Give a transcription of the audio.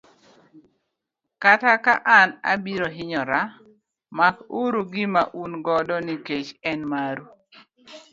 kata ka an abiro hinyora, mak uru gima un godo nikech en maru.